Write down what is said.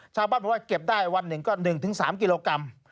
ชาวบ้านบอกว่าเก็บได้วันหนึ่งก็๑๓กิโลกรัม